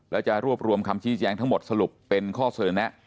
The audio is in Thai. แล้วจะรวบรวมคำชี้แจงทั้งหมดสรุปเป็นข้อเสนอแนะ